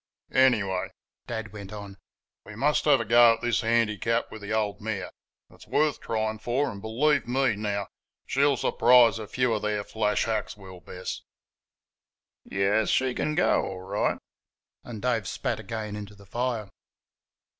"Anyway," Dad went on, "we must have a go at this handicap with the old mare; it's worth trying for, and, believe me, now! she'll surprise a few of their flash hacks, will Bess." "Yairs, she can go all right." And Dave spat again into the fire.